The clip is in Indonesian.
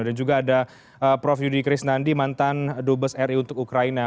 juga ada prof yudi krisnandi mantan dubes ri untuk ukraina